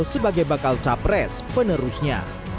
sebagai bakal capres penerusnya